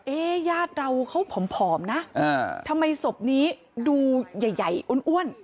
ญาติเราเขาผอมนะทำไมศพนี้ดูใหญ่อ้วน